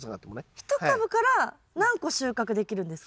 １株から何個収穫できるんですか？